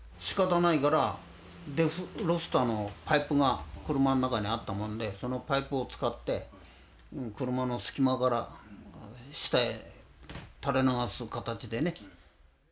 しかたないからデフロスターのパイプが車の中にあったもんでそのパイプを使って車の隙間から下へ垂れ流す形でね。